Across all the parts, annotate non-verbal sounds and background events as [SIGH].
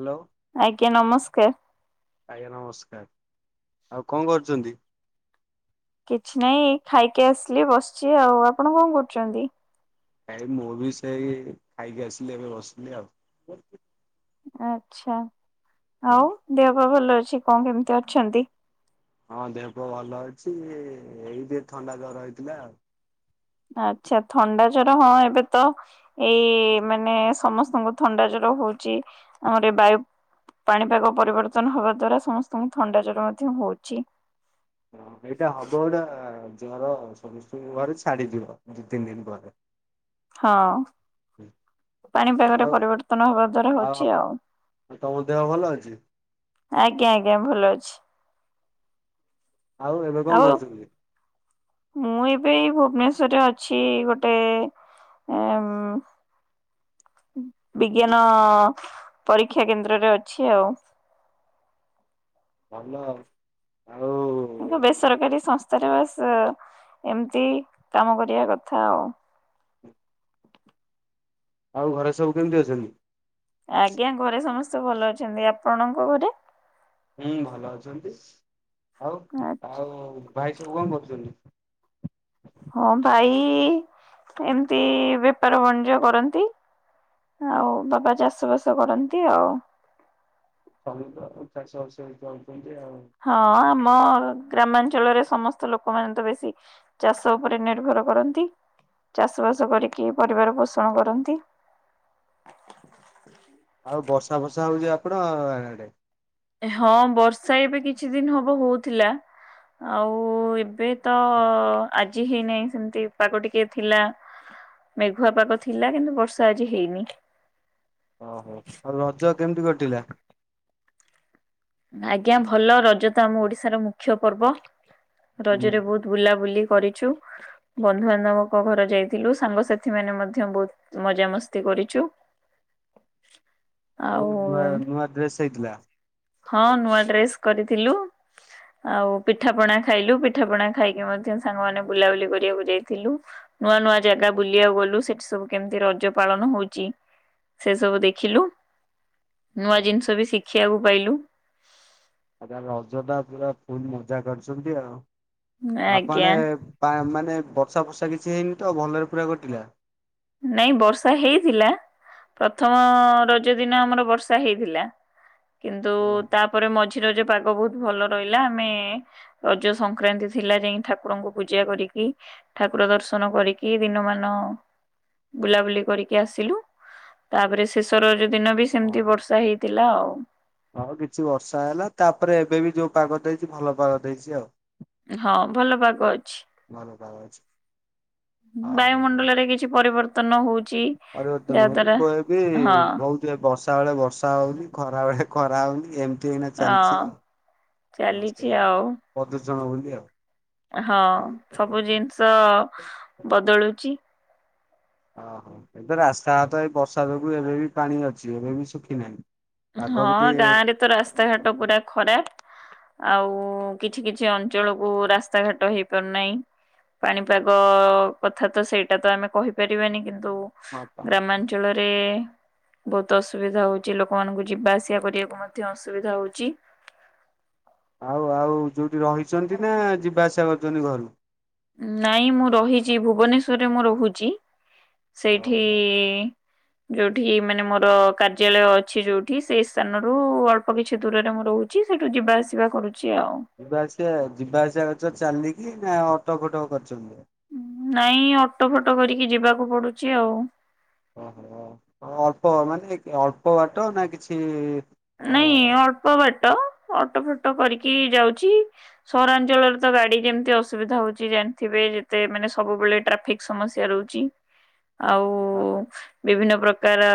Hello. ଆଜ୍ଞା ନମସ୍କାର। ଆଜ୍ଞା ନମସ୍କାର ଆଉ କଣ କରୁଚନ୍ତି? କିଛି ନାଇଁ ଖାଇକି ଆସିଲି ବସିଚି ଆଉ ଆପଣ କଣ କରୁଚନ୍ତି? କାଇଁ ମୁଁ ବି ସେଇ ଖାଇକି ଆସିଲି ଏବେ ବସିଲି ଆଉ। ଆଚ୍ଛା ହଁ ଆଉ ଦେହ ପାହା ଭଲ ଅଛି କଣ କେମିତି ଅଛନ୍ତି? ହଁ ଦେହ ଭଲ ଅଛି ଏଇ ଟିକେ ଥଣ୍ଡା ଜର ହେଇଥିଲା ଆଉ। ଆଚ୍ଛା ଥଣ୍ଡା ଜର ହଁ ଏବେ ତ। ଏଇ ମାନେ ସମସ୍ତଙ୍କୁ ଥଣ୍ଡା ଜର ହଉଛି ଆମର ଏ ବାୟୁ। ପାଣିପାଗ ପରିବର୍ତ୍ତନ ହବା ଦ୍ଵାରା ସମସ୍ତଙ୍କୁ ଥଣ୍ଡା ଜର ମଧ୍ୟ ହଉଛି। ହ ଏଇଟା ହବ ଗୋଟା ଜର ହବ ସମସ୍ତଙ୍କୁ ଘରେ ଛାଡିଯିବ ଦି ତିନି ଦିନ ପରେ। ହଁ [UNINTELLIGIBLE] ହଁ ପାଣିପାଗରେ ଆଉ ପରିବର୍ତ୍ତନ ହବା ଦ୍ଵାରା ହଉଛି ଆଉ। ଆଉ ତମ ଦେହ ଭଲ ଅଛି? ଆଜ୍ଞା ଆଜ୍ଞା ଭଲ ଅଛି। ଆଉ ଏବେ କଣ କରୁଛନ୍ତି। ମୁଁ ଏବେ ଭୁବନେଶ୍ଵରରେ ଅଛି ଗୋଟେ। ଏ ଅ ମ୍। ବିଜ୍ଞାନ ପରୀକ୍ଷା କେନ୍ଦ୍ରରେ ଅଛି ଆଉ। ଭଲ ଆଉ। ଆଉ ମୁଁ ତ ବେସରକାରୀ ସଂସ୍ଥାରେ ବାସ୍ ଏମିତି କାମ କରିବା କଥା ଆଉ। ଆଉ ଘରେ ସବୁ କେମିତି ଅଛନ୍ତି? ଆଜ୍ଞା ଘରେ ସମସ୍ତେ ଭଲ ଅଛନ୍ତି, ଆପଣଙ୍କ ଘରେ? ହୁଁ, ଭଲ ଅଛନ୍ତି ଆଉ ଆଉ ଭାଇ ସବୁ କଣ କରୁଚନ୍ତି। ହଁ ଭାଇ ଏମିତି ବେପାର ବାଣିଜ କରନ୍ତି। ଆଉ ବାପା ଚାଷ ବାସ କରନ୍ତି ଆଉ। ସମତେ ତ ଚାଷ ବାସ ଏଇକା ହଉଛନ୍ତି ଆଉ। ହଁ ଆମ ଗ୍ରାମାଞ୍ଚଳରେ ସମସ୍ତ ଲୋକମାନେ ତ ବେଶୀ। ଚାଷ ଉପରେ ନିର୍ଭର କରନ୍ତି। ଚାଷ ବାସ କରିକି ପରିବାର ପୋଷଣ କରନ୍ତି। ଆଉ ବର୍ଷା ଫର୍ଷା ହଉଛି ଆପଣଙ୍କ ଆଡେ। ହଁ ବର୍ଷା ଏବେ କିଛି ଦିନ ହବ ହଉଥିଲା ଆଉ ଏବେ। ତ ଆଜି ହେଇନାହିଁ ସେମିତି ପାଗ ଟିକେ ଥିଲା। ମେଘୁଆ ପାଗ ଥିଲା କିନ୍ତୁ ବର୍ଷା ଆଜି ହେଇନି। ଅ ହୋ ଆଉ ରଜ କେମିତି କଟିଲା। ଆଜ୍ଞା ଭଲ ରଜ ତ ଆମ ଓଡିଶାର ମୁଖ୍ୟ ପର୍ବ ହୁଁ ରଜରେ ବହୁତ। ବୁଲାବୁଲି କରିଛୁ ବନ୍ଧୁବାନ୍ଧବ ଙ୍କ ଘର ଯାଇଥିଲୁ ସାଙ୍ଗସାଥି ମାନେ ମଧ୍ୟ ବହୁତ ମଜାମସ୍ତି କରିଚୁ। ଆଉ ନୂଆ ନୂଆ ଡ୍ରେସ୍ ହେଇ ଥିଲା। ହଁ, ନୂଆ ଡ୍ରେସ କରିଥିଲୁ। ଆଉ ପିଠା ପଣା ଖାଇଲୁ ପିଠା ପଣା ଖାଇକି ମଧ୍ୟ ସାଙ୍ଗମାନେ ବୁଲାବୁଲି କରିବାକୁ ଯାଇଥିଲୁ। ନୂଆ ନୂଆ ଜାଗା ବୁଲିବାକୁ ଗଲୁ ସେଠି ସବୁ କେମିତି ରଜ ପାଳନ ହଉଛି। ସେ ସବୁ ଦେଖିଲୁ ନୂଆ ଆଉ ଜିନିଷ ବି ଶିଖିବାକୁ ପାଇଲୁ। ଆଉ ତାହେଲେ ରଜ ଟା ପୁରା ଫୁଲ ମଜା କରିଛନ୍ତି ଆଉ ଆଜ୍ଞା। ଆପଣେ। ପା ମାନେ ବର୍ଷା ଫର୍ଷା କିଛି ହେଇନି ତ ଭଲରେ ପୁରା କଟିଲା। ନାଇଁ ବର୍ଷା ହେଇଥିଲା। ପ୍ରଥମ ରଜ ଦିନ ଆମର ବର୍ଷା ହେଇଥିଲା କିନ୍ତୁ ଓହୋ। ତା ତା ପରେ ମଝି ରଜ ପାଗ ବହୁତ ଭଲ ରହିଲା ଆମେ। ରଜ ସଂକ୍ରାନ୍ତି ଥିଲା ଯାଇକି ଠାକୁର ଙ୍କୁ ପୂଜା କରିକି। ଠାକୁର ଦର୍ଶନ କରିକି ଦିନ ମାନ। ବୁଲାବୁଲି କରିକି ଆସିଲୁ ତାପରେ ଶେଷ ରଜ ଦିନ ବି ସେମିତି ଓହୋ। ବର୍ଷା ହେଇ ଥିଲା ଆଉ। ହଁ କିଛି ବର୍ଷା ହେଲା ତାପରେ ଏବେ ବି ଯୋଉ ପାଗ ଦେଇଛି ଭଲ ପାଗ ଦେଇଛି ଆଉ। ହଁ ଭଲ ପାଗ ଅଛି। ଭଲ ପାଗ ଅଛି। ଓହୋ। ବାୟୁମଣ୍ଡଳରେ କିଛି ପରିବର୍ତ୍ତନ ହଉଚି ପରିବର୍ତ୍ତନ ହଉନି ଯାହାଦ୍ଵାରା ବ- ବି ହଁ ବହୁତ ବର୍ଷା ବେଳେ ବର୍ଷା ହଉନି ଖରା ବେଳେ ଖରା ହଉନି ଏମ ଏମିତି ଗିନା ହଁ ଚାଲିଛି ଆଉ ହ ଚାଲିଛି ସେଇ ଆଉ ପ୍ରଦୂଷଣ ବୋଲି ଆଉ। ହଁ ସବୁ ଜିନିଷ ବଦଳୁଛି। ଓହୋ ଏବେ ରାସ୍ତାଘାଟ ଏ ବର୍ଷା ଯୋଗୁଁ ଏବେବି ପାଣିଅଛି ଏବେବି ଶୁଖିନାହିଁ। ହଁ, ଗାଁ ରେ ତ ରାସ୍ତା ଘାଟ ପୁରା ଖରାପ। ଆଉ କିଛି କିଛି ଅଞ୍ଚଳକୁ ରାସ୍ତା ଘାଟ ହେଇପାରୁନାହିଁ। ପାଣିପାଗ କଥା ତ ସେଇଟା ତ ଆମେ କହିପାରିବାନି କିନ୍ତୁ ହଁ ପା ଗ୍ରାମାଞ୍ଚଳରେ ବହୁତ ଅସୁବିଧା ହଉଛି ଲୋକ ଲୋକା ମାନଙ୍କୁ ଯିବା ଆସିବା କରିବାକୁ ମଧ୍ୟ ଅସୁବିଧା ହଉଚି। ଆଉ ଆଉ ଯୋଉଠି ରହିଛନ୍ତିନା ଯିବା ଆସିବା କରଛନ୍ତି ଘରୁ ନାଇଁ ମୁଁ ରହିଛି ଭୁବନେଶ୍ୱରରେ ମୁଁ ରହୁଛି। ସେଇଠି ଯୋଉଠି ମାନେ ମୋର କାର୍ଯ୍ୟାଳୟ ଅଛି ଯୋଉଠି ସେଇ ସ୍ଥାନରୁ ଅଳ୍ପ କିଛି ଦୂରରେ ମୁଁ ରହୁ ଅଛି ସେଇଠୁ ଯିବା ଆସିବା କରୁଛି ଆଉ। ଯିବା ଆସିବା ଯିବା ଆସିବା କରିଚ ଚାଲିକି ନା ଅଟୋ ଫୋଟୋ କରିଚନ୍ତି? ନାଇଁ ଅଟୋ ଫଟୋ କରିକି ଯିବାକୁ ପଡୁଛି ଆଉ ଓହୋ ଅଳ୍ପ ମାନେ ଅଳ୍ପ ବାଟ ନା କିଛି ଅ ନାଇଁ ଅଳ୍ପ ବାଟ ଅଟୋ ଫାଟୋ କରିକି ଯାଉଛି। ସହରାଞ୍ଚଳରେ ତ ଗାଡି ଯେମିତି ଅସୁବିଧା ହଉଛି ଜାଣିଥିବେ ଯେତେ ମାନେ ସବୁବେଳେ ଟ୍ରାଫିକ୍ ସମସ୍ୟା ରହୁଛି ଆଉ ହେବା ବିଭିନ୍ନ ପ୍ରକାର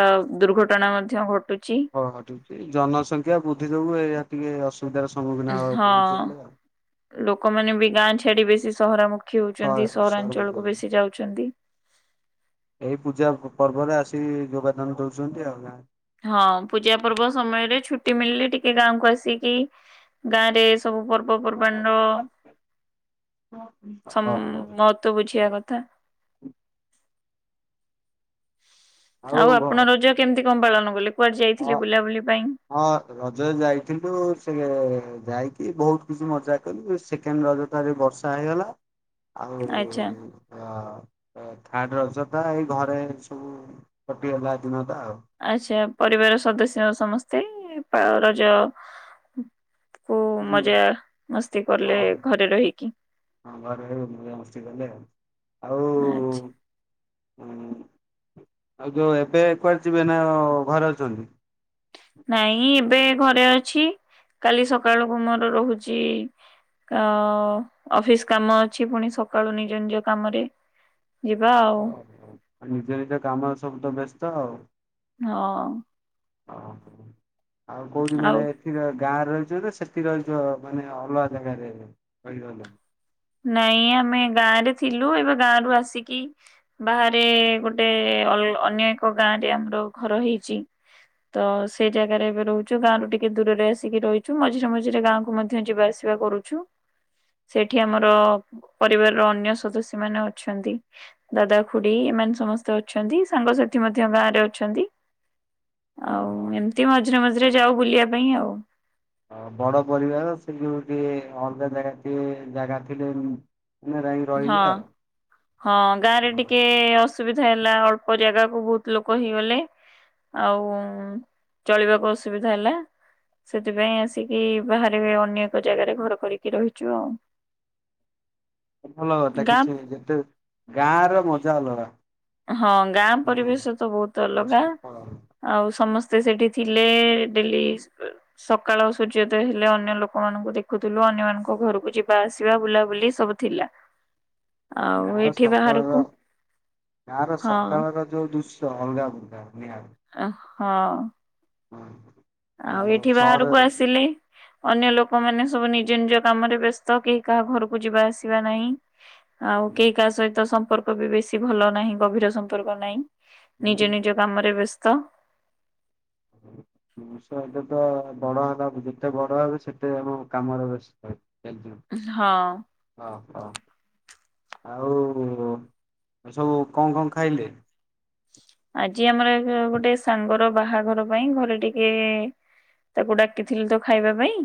ଦୁର୍ଘଟଣା ମଧ୍ୟ ଘଟୁଚି। ହଁ ହଁ ଠିକ ଠିକ ଜନସଂଖ୍ୟା ବୃଦ୍ଧି ଯୋଗୁ ଏଇଆ ଟିକେ ଅସ ପୁଜାର ସବୁ ହଁ ଲୋକମାନେ ବି ଗାଁ ଛାଡି ବେଶୀ ସହରା ମୁୁଖ ଖିଉଛନ୍ତି ସହର ସହର ସହରାଞ୍ଚଳକୁୁ ଭିତରକୁ। ବେଶି ଯାଉଛନ୍ତି। ଏଇ ପୂଜା ପ ପର୍ବରେ ଆସିକି ଯୋଗଦାନ ଦଉଛନ୍ତି ଆଉ ନା। ହଁ ପୂଜା ପର୍ବ ସମୟରେ ଛୁଟି ମିଳିଲେ ଟିକେ ଗାଁକୁ ଆସିକି ଗାଁ ରେ ସବୁ ପର ପର୍ବପର୍ବାଣିର ଛମ୍ ମହତ୍ଵ ବୁଝିବା କଥା। ହ [INAUDIBLE] ଆଉ ଆପଣ ରଜ କେମିତି କଣ ପାଳନ କଲେ କୁଆଡେ ହଁ ଯାଇଥିଲେ ବୁଲାବୁଲି ପାଇଁ? ହଁ ରଜରେ ଯାଇଥିଲୁ ସେ ଯାଇକି ବହୁତ ଖୁସି ମଜା କଲୁ ସେକେଣ୍ଡ ରଜ ବର୍ଷା ହେଇଗଲା ଆଉ ଆଚ୍ଛା ଅ ଥାର୍ଡ ରଜଟା ଏଇ ଘରେ ସବୁ କଟିଗଲା ଦିନ ତ ଆଉ। ଆଚ୍ଛା ପରିବାର ସଦସ୍ୟ ସମସ୍ତେ ରଜ ଓ ହୁଁ ମଜା ମସ୍ତି କଲେ ଘରେ ରହିକି। ହଁ ଘରେ [UNINTELLIGIBLE] ମସ୍ତି କଲେ ଆଉ ଆଚ୍ଛା। ଆଉ ହଁ ଆଉ ଯୋଉ ଏବେ କୁଆଡେ ଯିବେ ନା ଘରେ ଅଛନ୍ତି। ନାଇଁ ଏବେ ଘରେ ଅଛି କାଲି ସକାଳୁକୁ ମୋର ରହୁଛି। ଅ ଅଫିସ କାମ ଅଛି ପୁଣି ସକାଳୁ ନିଜ ନିଜ କାମରେ ଯିବା ଆଉ। ଆଉ ନିଜ ନିଜ କାମ ରେ ସବୁ ତ ବ୍ୟସ୍ତ ଆଉ। ହଁ। ଓ ଆଉ କୋଉଠି ଆଉ ମାନେ ସେଠି ଗାଁ ରେ ରହିଛନା ସେଠି ରହିଛ ମାନେ ଅଲଗା ଜାଗାରେ ରହିଗଲ। ନାଇଁ ଆମେ ଗାଁ ରେ ଥିଲୁ ଏବେ ଗାଁରୁ ଆସିକି ବାହାରେ ଗୋଟେ ଅନ୍ୟ ଏକ ଗାଁ ରେ ଆମର ଘର ହେଇଛି। ତ ସେଇ ଜାଗାରେ ଏବେ ରହୁଛୁ ଗାଁରୁ ଟିକେ ଦୂରରେ ଆସିକି ରହିଛୁ ମଝିରେ ମଝିରେ ଗାଁକୁୁ ମଧ୍ୟ ଯିବା ଆସି [UNINTELLIGIBLE] କରୁଛୁ ଏଠି ଆମର ଓହୋ। ପରିବାରର ଅନ୍ୟ ସଦସ୍ୟ ମାନେ ଅଛନ୍ତି। ଦାଦା, ଖୁଡି ଏମାନେ ସମସ୍ତେ ଅଛନ୍ତି ସାଙ୍ଗସାଥି ମଧ୍ୟ ଗାଁ ରେ ଅଛନ୍ତି। ଆଉ ଏମତି ମଝିରେ ମଝିରେ ଯାଉ ବୁଲିବା ପାଇଁ ଆଉ ହ ବଡ ପରିବାର ସେ ଯୋଉ ଟିକେ ଅଲଗା ଜାଗା ଜାଗା ଥିଲେ। ମାନେ ଯାଇକି ହଁ, ରହିଲେ ଆଉ ହଁ ଗାଁ ରେ ଟିକେ ଅସୁ ଅସୁବିଧା ହେଲା ଅଳ୍ପ ଜାଗା କୁ ବହୁତ ଲୋକ ହୋଇଗଲେ ଆଉ ଚଳିବାକୁ ଅସୁବିଧା ହେଲା ସେଥିପାଇଁ ଆସିକି ବାହାରେ ଅନ୍ୟ ଏକ ଜାଗାରେ ଘର କରିକି ରହିଚୁ ଆଉ। ଭଲ କଥା ଗାଁ କିଛି ଯେତେ ଗାଁ ର ମଜା ଅଲଗା। ହଁ ଗାଁ ହଁ। ପରିବେଶ ତ ବହୁତ ଅଲଗା ସକାଳ ଆଉ ସମସ୍ତେ ସେଠି ଥିଲେ ଡେଲି ସକାଳ ସୂର୍ଯ୍ୟୋଦୟ ହେଲେ ଅନ୍ୟ ଲୋକମାନଙ୍କୁ ଦେଖୁଥିଲୁ ଅନ୍ୟ ମାନଙ୍କ ଘରକୁ ଯିବା ଆସିବା ବୁଲାବୁଲି ସବୁ ଥିଲା। ଆଉ ଗାଁ ଏଠି ବାହାରକୁ ସକାଳର ଗାଁ ର ହଁ ସକାଳ ର ଯୋଉ ଦୃଶ୍ୟ ଅଲଗା ଅଲଗା ନିହା ଅହୋ। [INAUDIBLE] ଆଉ ଏଠି ବାହାରକୁ ଆସିଲି ଅନ୍ୟ ଲୋକମାନେ ସବୁ ନିଜ ନିଜ କାମରେ ବ୍ୟସ୍ତ କେହି କାହା ଘରକୁ ଯିବା ଆସିବା ନାହିଁ। ଆଉ ସହରରେ କେହି କାହା ସହିତ ସମ୍ପର୍କ ବି ବେଶୀ ଭଲ ନାହିଁ ଗଭୀର ସମ୍ପର୍କ ନାହିଁ ନିଜ ନିଜ କାମରେ ବ୍ୟସ୍ତ [INAUDIBLE] ମଣିଷ ତ ବଡ ହେ ଯେତେ ବଡ ହେବେ ସେତେ ଆମ କାମରେ ବେସ୍ତ ରହିଯିବେ ହଁ। ଅ ହ ଆଉ ସବୁ କଣ କଣ ଖାଇଲେ? ଆଜି ଆମର ଗୋଟେ ସାଙ୍ଗର ବାହାଘର ପାଇଁ ଘରେ ଟିକେ ତାକୁ ଡାକିଥିଲୁତ ଖାଇବା ପାଇଁ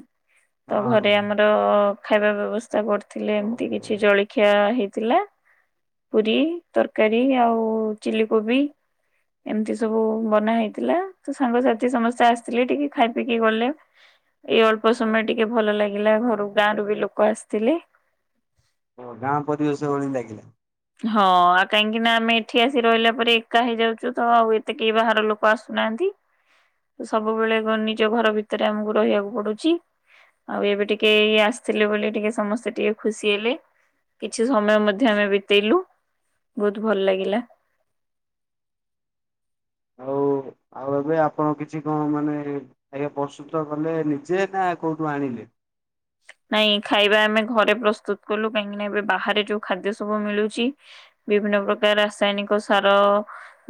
ହଁ ତ ଘରେ ଆମର ଖାଇବା ବ୍ୟବସ୍ଥା କରିଥିଲେ ହଁ। ଏମତି ଓହୋ କିଛି ଜଳି ଖିଆ ହେଇଥିଲା ପୁରୀ ତରକାରୀ ଆଉ ଚିଲ କୋବି ଏମିତି ସବୁ ବନା ହେଇଥିଲା ସାଙ୍ଗସାଥି ସମସ୍ତେ ଆସିଥିଲେ ଟିକେ ଖାଇ ପିଇକି ଗଲେ [INAUDIBLE] ଏଇ ଅଳ୍ପ ସମୟ ଟିକେ ଭଲ ଲାଗିଲା ଘରୁ ଗାଁରୁ ବି ଲୋକ ଆସିଥିଲେ ଗାଁ ପରିବେଶ ଭଳି ଲାଗିଲା ହଁ ଆଉ କାହିଁକି ନା ଆମେ ଏଠି ଆସି ରହିଲା ପରେ ଏକା ହେଇଯାଉଛୁ ତ ଆଉ ଏତେ କେହି ବାହାର ଲୋକ ଆସୁନାହାନ୍ତି ତ ସବୁବେଳେ ନିଜ ଘର ଭିତରେ ଆମକୁ ରହିବାକୁ ପଡୁଛି ଆଉ ଏବେ ଟିକେ ଇଏ ଆସିଥିଲେ ବୋଲି ଟିକେ ସମସ୍ତେ ଟିକେ ଖୁସି ହେଲେ କିଛି ସମୟ ମଧ୍ୟ ଆମେ ବିତେଇଲୁ, ବହୁତ ଭଲ ଲାଗିଲା। ହଉ। ଆଉ ଏବେ ଆପଣ କିଛି କଣ ମାନେ ଆଜ୍ଞା ପ୍ରସ୍ତୁତ କଲେ ନିଜେ ନା କୋଉଠୁ ଆଣିଲେ? ନାଇଁ ଖାଇବା ଆମେ ଘରେ ପ୍ରସ୍ତୁତ କଲୁ କାହିଁକିନା ଏବେ ବାହାରେ ଯୋଉ ଖାଦ୍ୟ ସବୁ ମିଳୁଛି ବିଭିନ୍ନ ପ୍ରକାର ରାସାୟନିକ ସାର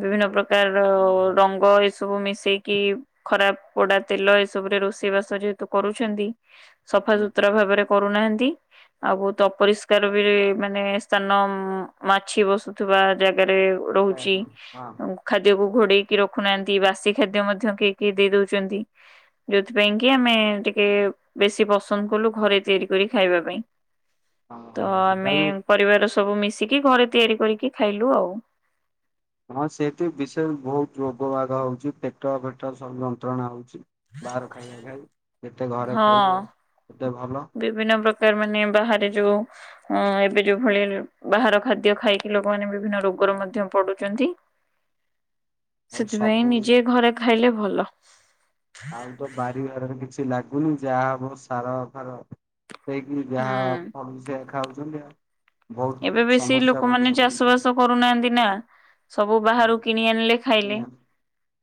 ବିଭିନ୍ନ ପ୍ରକାର ହଁ ହଁ ର ଙ୍ଗ ଏସବୁ ମିଶେଇକି ଖରାପ ପୋଡା ତେଲ ଏସବୁରେ ରୋଷେଇ ବାସ ଯେହେତୁ କରୁଛନ୍ତି ସଫାସୁତୁରା ଭାବରେ କରୁନାହାନ୍ତି। ଆଉ ବହୁତ ଅପରିଷ୍କାର ବି ମାନେ ସ୍ଥାନ ମାଛି ବସୁଥିବା ଜାଗାରେ ରହୁଛି। ଖାଦ୍ୟକୁ ଘୋଡେଇକି ରଖୁନାହାନ୍ତି ବାସି ଖାଦ୍ୟ ମଧ୍ୟ କିଏ କିଏ ଦେଇ ଦେଇ ଦଉଛନ୍ତି। ଯଉଥି ପାଇଁ କି ଆମେ ଟିକେ ବେଶୀ ପ ସନ୍ଦ୍ କଲୁ ଘରେ ତିଆରି କରି ଖାଇବା ପାଇଁ। ହଁ ତ ହଁ ସେଟା ଆମେ ବି ପରିବାର ସବୁ ମିଶିକି ଘରେ ତିଆରି କରିକି ଖାଇଲୁ ଆଉ। ହଁ! ସେ ବିଶେ------ହୁତ୍ ରୋଗ ବାଗ ହଉଚି, ପେଟ ଫେଟ ସ ଯନ୍ତ୍ରଣା ହଉଚି। ବାହାର ଖାଇବା ଖାଇ, ଯେତେ ଘରେ ହଁ ଖାଇବେ ତେ ଭଲ। ବିଭିନ୍ନ ପ୍ରକାର୍ ମାନେ ବାହାରେ ଯଉ ଏବେ ଯଉ ଭଳି ବାହାର ଖାଦ୍ୟ ଖାଇକି, ଲୋକମାନେ ବିଭିନ୍ନ ରୋଗର ମଧ୍ୟ ପଡୁଚନ୍ତି। ହୁଁ ହୁଁ ହୁଁ ହୁଁ [INAUDIBLE] ସେଥି ପାଇଁ ନିଜେ ଘରେ ଖାଇଲେ ଭଲ। ଆଉତ ବାରିି---ରେ କିଛି ନାଗୁନି, ଯାହା ହବ ସାର ଫାର [INAUDIBLE] ହୁଁ ବହୁତ ଏବେ ବେଶୀ ସମସ୍ୟା ଲୁକମାନେ ଭୋଗିବାକୁ ଚାଷ ପଡୁଛି। ବାସ କରୁ ନାଆନ୍ତି ନା। ସବୁ ବାହାରୁ କିଣି ଆଣିଲେ ହୁଁ ଖାଇଲେ।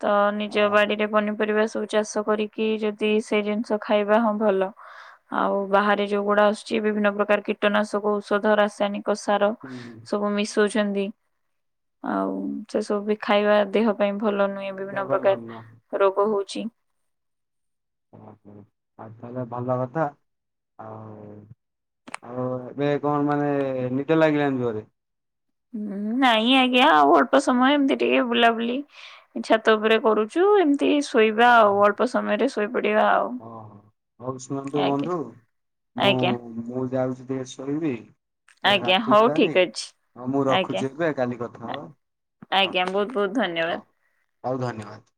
ତ ନିଜ ବାଡ଼ି ରେ ପନିପରିବା ଚାଷ କରିକି ଯଦି ସେଇ ଜିନ୍‌ଷ ଖାଇବା ହଁ ଭଲ। ଆଉ ବାହାରେ ଯଉ ଗୁଡା ଆ--ଚି। ବିଭିନ୍ନ ପ୍ରକାର୍ କୀଟନାଶକ ଔଷଧ ରାସାୟନି [INAUDIBLE] ଆଉ ସେ ସବୁ ବି ଖାଇବା ଦେହ ପାଇଁ ଭଲ ନୁଏଁ। ବିଭିନ୍ନ ଦେହ ପାଇଁ ଭଲ ପ୍ରକାର୍ ନୁହଁ। ରୋଗ ହଉଚି। ଆଉ ତା'--ଲେ ଭଲ କଥା ଆଉ। ଆଉ ଏବେ କ'ଣ ମାନେ ନିଦ ଲାଗିଲାଣି ଜୋରେ। ନାଇଁ ଆଜ୍ଞା ଆଉ ଅଳ୍ପ ସମୟ ଏମ୍ତି ଟିକେ ବୁଲାବୁଲି। ଛାତ ଉପରେ କରୁଚୁ, ଏମ୍ତି ଶୁଇବା ଆଉ ଅଳ୍ପ ସମୟରେ ଶୋଇ ପଡ଼ିବା ଆଉ। ହଉ ଶୁଣନ୍ତୁ ଆଜ୍ଞା ବନ୍ଧୁ ମୁଁ ଆଜ୍ଞା ମୁଁ ଯାଉଚି ଟିକେ ଶୋଇବି ଆଜ୍ଞା ରାତି ହଉ ହେଲାଣି, ଠିକ ଅଛି ହଁ ମୁଁ ଆଜ୍ଞା ରଖୁଚି ଏବେ କାଲି ଆଜ୍ଞା ବହୁତ ବହୁତ ଧନ୍ୟବାଦ। [UNINTELLIGIBLE]